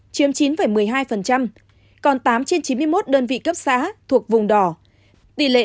chiếm chín một mươi hai còn tám trên chín mươi một đơn vị cấp xã thuộc vùng đỏ tỷ lệ tám bảy mươi chín